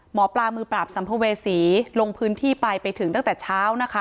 หมอปลามือปราบสัมภเวษีลงพื้นที่ไปไปถึงตั้งแต่เช้านะคะ